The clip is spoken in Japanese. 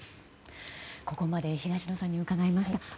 ここまで東野さんに伺いました。